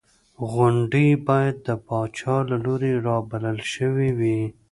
غونډې باید د پاچا له لوري رابلل شوې وې.